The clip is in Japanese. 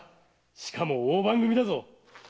しかも大番組だぞ。